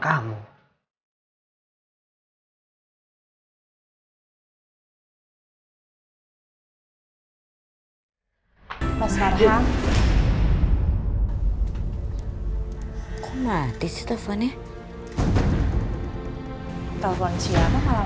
kamu udah tidur belum